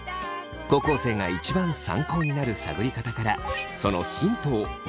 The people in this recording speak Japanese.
高校生が一番参考になる探り方からそのヒントを見つけてみてください。